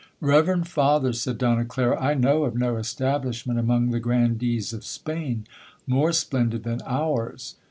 'Reverend Father,' said Donna Clara, 'I know of no establishment among the grandees of Spain more splendid than ours.'